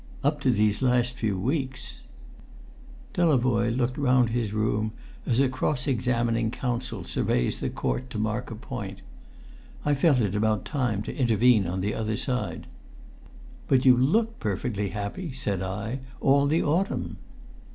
"Up to these last few weeks." Delavoye looked round his room as a cross examining counsel surveys the court to mark a point. I felt it about time to intervene on the other side. "But you looked perfectly happy," said I, "all the autumn?"